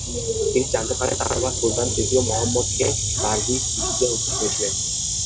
তিনি জানতে পারেন তারা বাবা সুলতান তৃতীয় মুহাম্মদকে দারভিস বিষ দিয়ে হত্যা করেছিলেন।